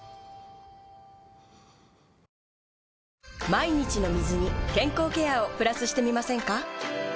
毎日の水に健康ケアをプラスしてみませんか？